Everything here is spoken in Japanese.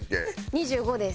２５です。